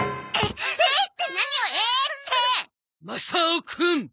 えっ？